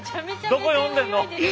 どこ読んでんの。